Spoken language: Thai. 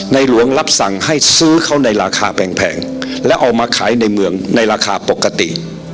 หลวงรับสั่งให้ซื้อเขาในราคาแพงและเอามาขายในเมืองในราคาปกติ